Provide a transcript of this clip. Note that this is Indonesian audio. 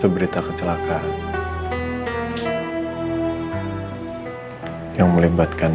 karena anda adalah anak di depan kamu